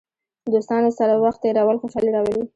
دوستانو سره وخت تېرول خوشحالي راولي.